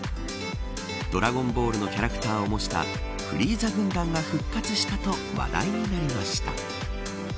ドラゴンボールのキャラクターを模したフリーザ軍団が復活したと話題になりました。